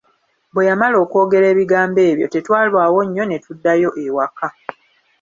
Bwe yamala okwogera ebigambo ebyo, tetwalwawo nnyo ne tuddayo ewaka.